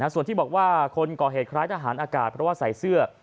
ส่วนที่บอกว่าคนก่อเหตุคล้ายทหารอากาศเพราะว่าใส่เสื้อ